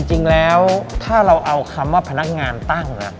จริงแล้วถ้าเราเอาคำว่าพนักงานตั้ง